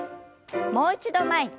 もう一度前に。